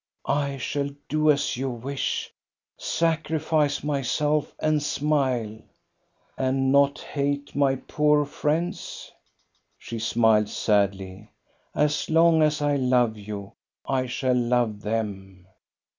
" I shall do as you wish, — sacrifice myself and smile." And not hate my poor friends? " She smiled sadly. " As long as I love you, I shall love them."